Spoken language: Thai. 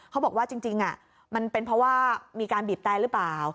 เขาบอกว่าจริงมันเป็นเพราะว่ามีการบีบแต่หรือเปล่า